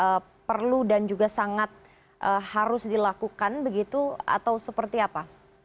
apakah itu hal yang perlu dan juga sangat harus dilakukan begitu atau seperti apa